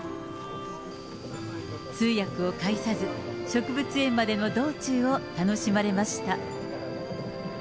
通訳を介さず、植物園までの道中を楽しまれました。